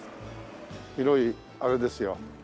広いあれですよ。